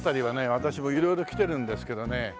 私も色々来てるんですけどね。